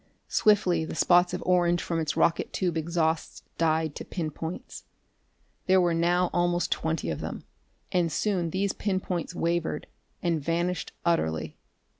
Swiftly the spots of orange from its rocket tube exhausts died to pin points. There were now almost twenty of them. And soon these pin points wavered, and vanished utterly.